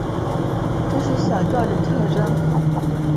这是小调的特征。